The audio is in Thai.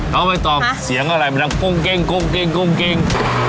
เขาไม่ตอบเสียงอะไรมันดังปุงเกง